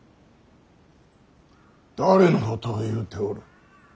誰のことを言うておる。